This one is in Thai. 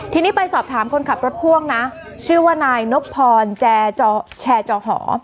ทีนี้ไปสอบถามคนขับรถพ่วงนะชื่อว่านายนบพรแจจอหอ